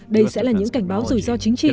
đây sẽ là những cảnh báo rủi ro chính trị